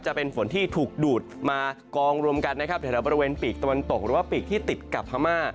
จะเป็นฝนที่ถูกดูดมากองรวมกันนะครับแถวบริเวณปีกตะวันตกหรือว่าปีกที่ติดกับพม่า